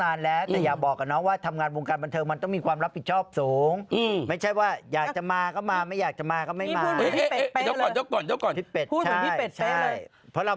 อะเชิญอยากพูดพอส่งคนนี้มาแล้วแบบโอ๊ยฉันหมองเลย